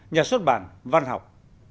nhà xuất bản văn học